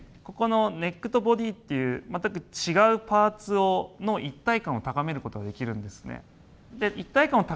ここのネックとボディっていう全く違うパーツの一体感を高める事ができるんですね。